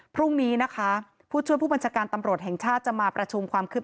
พรุ่งนี้นะคะผู้ช่วยผู้บัญชาการตำรวจแห่งชาติจะมาประชุมความคืบหน้า